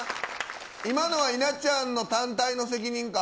今のは稲ちゃんの単体の責任か。